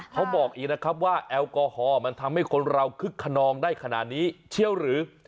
เขาบอกอีกนะครับว่าแอลกอฮอล์มันทำให้คนเราคึกขนองได้ขนาดนี้เชี่ยวหรือ